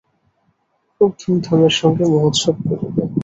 খুব ধূমধামের সঙ্গে মহোৎসব করিবে।